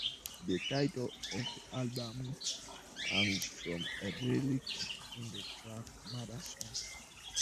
The title of the album comes from a lyric in the track "Murder Song".